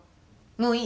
もういい？